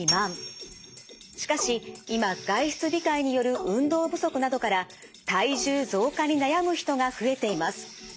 しかし今外出控えによる運動不足などから体重増加に悩む人が増えています。